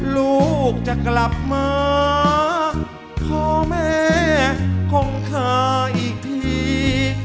ลูกจะกลับมาพ่อแม่ของเธออีกที